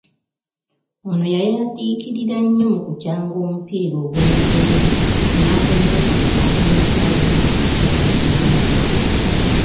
Ono yayatiikirira nnyo mu kukyanga omupiira ogw’ebigere n’agunnyuka nga afunye kkaadi eya kyenvu.